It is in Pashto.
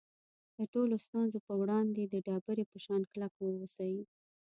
د ټولو ستونزو په وړاندې د ډبرې په شان کلک واوسئ.